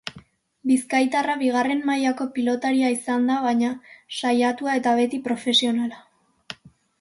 Bizkaitarra bigarren mailako pilotaria izan da baina saiatua eta beti profesionala.